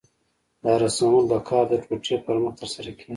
دا رسمول د کار د ټوټې پر مخ ترسره کېږي.